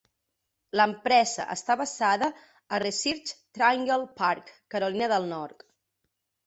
L'empresa està basada a Research Triangle Park, Carolina del Nord.